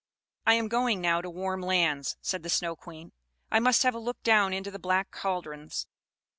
"I am going now to warm lands," said the Snow Queen. "I must have a look down into the black caldrons."